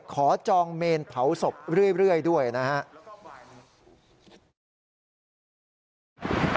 จองเมนเผาศพเรื่อยด้วยนะครับ